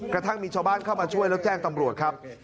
กระทั่งมีชาวบ้านเข้ามาช่วยแล้วแจ้งตำรวจครับ